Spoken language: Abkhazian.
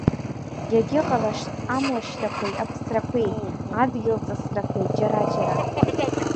Иагьыҟалашт амлашьрақәеи аԥсрақәеи адгьылҵысрақәеи џьара-џьара.